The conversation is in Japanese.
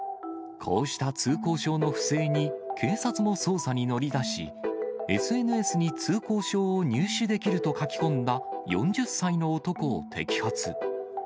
こうした通行証の不正に、警察も捜査に乗り出し、ＳＮＳに通行証を入手できると書き込んだ４０歳の男を摘発。